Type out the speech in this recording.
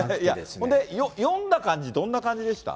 ほんで、読んだ感じ、どんな感じでした？